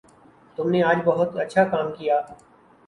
تم نے آج بہت اچھا کام کیا